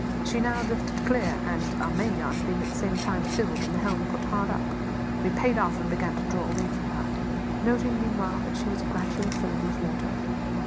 She now drifted clear; and, our mainyard being at the same time filled and the helm put hard up, we paid off and began to draw away from her, noting, meanwhile, that she was gradually filling with water.